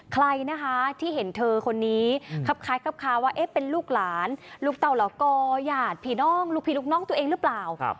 ใครนะคะที่เห็นเธอคนนี้ครับคล้ายครับค้าว่าเป็นลูกหลานลูกเต้าเหรอกอหยาดผีน้องลูกพี่ลูกน้องตัวเองหรือเปล่า